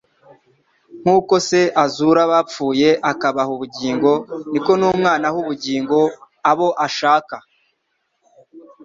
Nk'uko Se azura abapfuye akabaha ubugingo niko n'Umwana aha ubugingo abo ashaka"